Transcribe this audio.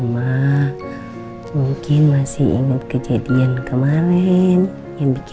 baik kita hasta hari n hesitant laughing ruhu